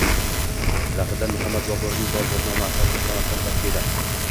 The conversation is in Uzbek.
Zahiriddin Muhammad Boburning Boburnoma asarida Samarqand tasviri